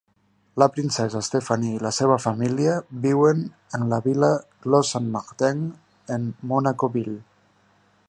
La princesa Stephanie i la seva família viuen en la vila Clos Saint-Martin en Monaco-ville.